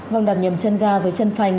vòng đạp nhầm chân ga với chân phanh